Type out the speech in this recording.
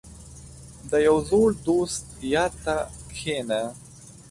• د یو زوړ دوست یاد ته کښېنه.